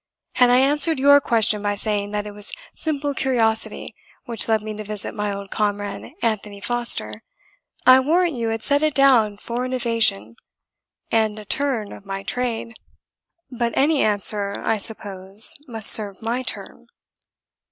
Had I answered your question by saying that it was simple curiosity which led me to visit my old comrade Anthony Foster, I warrant you had set it down for an evasion, and a turn of my trade. But any answer, I suppose, must serve my turn."